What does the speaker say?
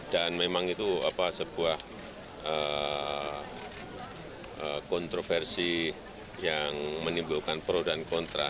dan memang itu sebuah kontroversi yang menimbulkan pro dan kontra